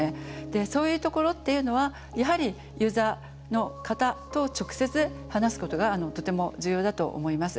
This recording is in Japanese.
そういうところっていうのはやはりユーザーの方と直接話すことがとても重要だと思います。